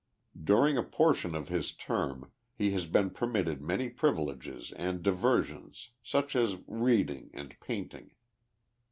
During a portion of his term lie has been permitted many privileges and diversions, such as reading and painting.